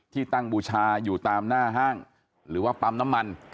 ที่ตั้งบูชาอยู่ตามหน้าห้างหรือว่าปั๊มน้ำมัน